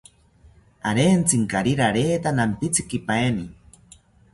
Arentzinkari rareta nampitzikipaeni